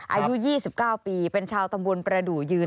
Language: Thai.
อายุ๒๙ปีเป็นชาวตำบลประดูกยืน